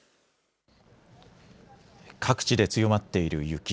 各地で強まっている雪。